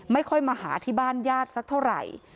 ไม่ค่อยมาหาที่บ้านญาติสักเท่าไหร่